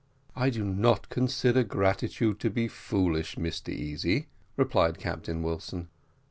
"I do not consider gratitude to be foolish, Mr Easy," replied Captain Wilson.